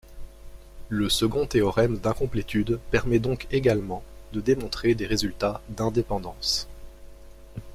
Le second théorème d'incomplétude permet donc également de démontrer des résultats d'indépendance.